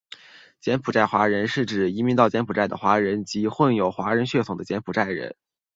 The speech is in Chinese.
柬埔寨华人指的是移民到柬埔寨的华人及混有华人血统的柬埔寨人。